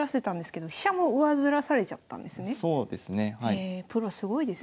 へえプロすごいですね。